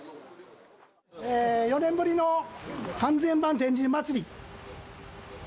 ４年ぶりの完全版天神祭。